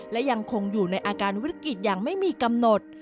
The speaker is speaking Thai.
และยังคงอยู่ในอาการวิกฤตอย่างไม่มีกำหนด